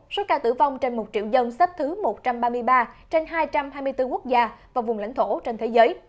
số ca tử vong trên một triệu dân xếp thứ một trăm ba mươi ba trên hai trăm hai mươi bốn quốc gia và vùng lãnh thổ trên thế giới